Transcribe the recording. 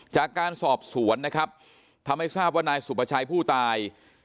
จากการสอบสวนนะครับทำให้ทราบว่านายสุภาชัยผู้ตาย